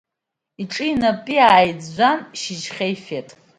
Иҿи инапи ааиӡәӡәан, шьыжьхьа ифеит.